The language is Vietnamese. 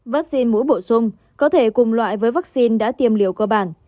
vaccine mũi bổ sung có thể cùng loại với vaccine đã tiêm liều cơ bản